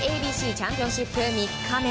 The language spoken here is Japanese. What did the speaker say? ＡＢＣチャンピオンシップ３日目